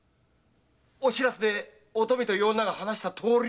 お白州でおとみという女が話したとおりに？